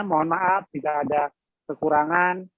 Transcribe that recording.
mohon maaf jika ada kekurangan